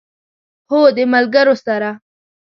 هو، د ملګرو سره